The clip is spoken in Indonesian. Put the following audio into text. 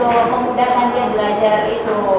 untuk memudahkan dia belajar itu